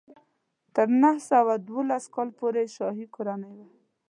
تر نهه سوه دولس کال پورې شاهي کورنۍ وه.